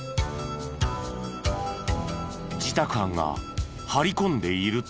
自宅班が張り込んでいると。